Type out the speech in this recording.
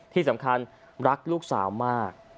ที่สำคัญรักลูกสาวมาก